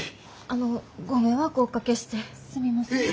あのご迷惑をおかけしてすみません。